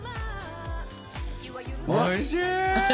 おいしい！